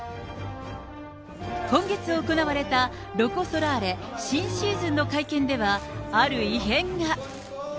今月行われたロコ・ソラーレ新シーズンの会見では、ある異変が。